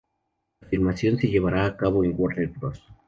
La filmación se llevará a cabo en Warner Bros.